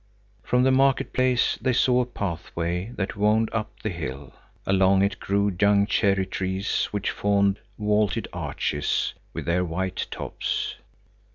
From the market place they saw a pathway that wound up the hill. Along it grew young cherry trees which formed vaulted arches with their white tops.